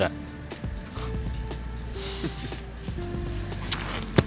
lihat mereka udah kepanikan